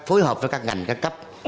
phối hợp với các ngành ca cấp